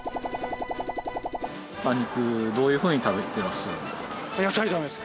豚肉どういうふうに食べてます？